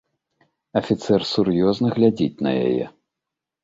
Афіцэр сур'ёзна глядзіць на яе.